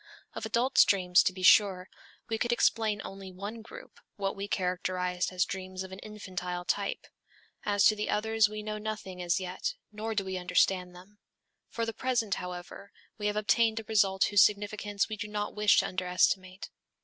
_ Of adults' dreams, to be sure, we could explain only one group, what we characterized as dreams of an infantile type. As to the others we know nothing as yet, nor do we understand them. For the present, however, we have obtained a result whose significance we do not wish to under estimate.